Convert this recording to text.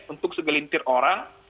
untuk segelintir orang